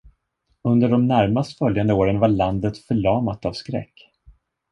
Under de närmast följande åren var landet förlamat av skräck.